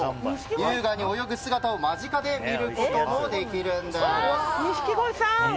優雅に泳ぐ姿を間近で見ることもできるんです。